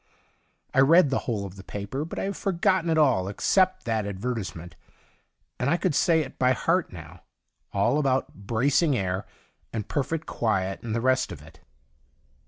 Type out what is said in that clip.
I read the whole of the paper, but I have forgotten it all except that advertisement, and I could say it by heart now — all about bracing air and perfect quiet and the rest of it.